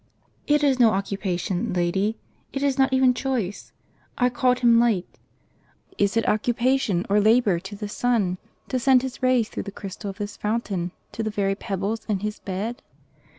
"" It is no occupation, lady, it is not even choice. I called Him light. Is it occupation or labor to the sun to send his rays through the crystal of this fountain, to the very pebbles in its bed?